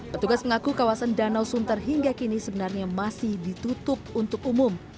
petugas mengaku kawasan danau sunter hingga kini sebenarnya masih ditutup untuk umum